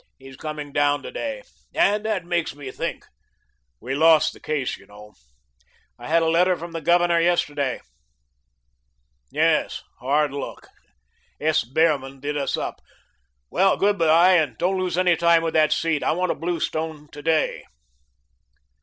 He's coming down to day. And that makes me think; we lost the case, you know. I had a letter from the Governor yesterday.... Yes, hard luck. S. Behrman did us up. Well, good bye, and don't lose any time with that seed. I want to blue stone to day."